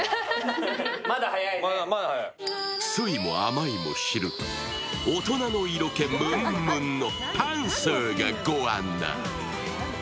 酸いも甘いも知る、大人の色気むんむんのパンサーがご案内。